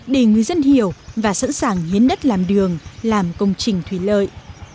để người dân hiểu và sẵn sàng hiến đất làm đường làm công trình thủy lợi